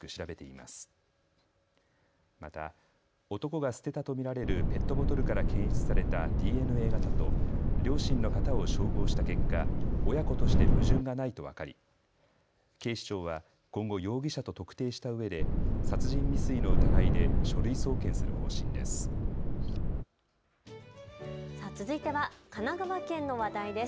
また男が捨てたと見られるペットボトルから検出されたＤＮＡ型と両親の型を照合した結果、親子として矛盾がないと分かり警視庁は今後、容疑者と特定したうえで殺人未遂の疑いで書類送検する方針です。